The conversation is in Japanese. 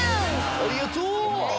ありがとう！